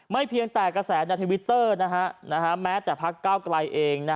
ไม่เพียงแต่กระแสในทวิตเตอร์แม้แต่ภาคก้าวกลายเอง